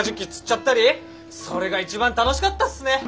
それが一番楽しかったっすね。